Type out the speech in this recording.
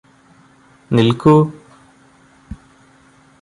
നിൽക്കൂ